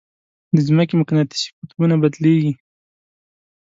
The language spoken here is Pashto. د ځمکې مقناطیسي قطبونه بدلېږي.